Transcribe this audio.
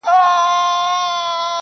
نو زنده گي څه كوي.